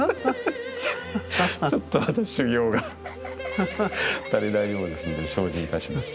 ちょっとまだ修行が足りないようですので精進いたします。